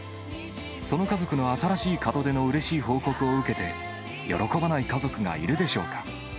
その家族の新しい門出のうれしい報告を受けて、喜ばない家族がいるでしょうか。